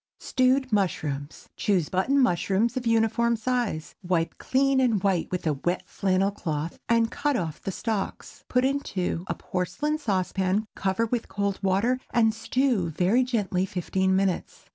STEWED MUSHROOMS. Choose button mushrooms of uniform size. Wipe clean and white with a wet flannel cloth, and cut off the stalks. Put into a porcelain saucepan, cover with cold water, and stew very gently fifteen minutes.